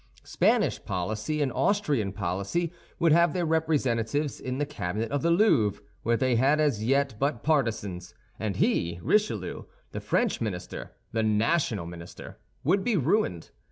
Spanish policy and Austrian policy would have their representatives in the cabinet of the Louvre, where they had as yet but partisans; and he, Richelieu—the French minister, the national minister—would be ruined.